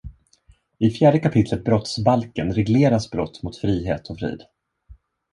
I fjärde kapitlet brottsbalken regleras brott mot frihet och frid.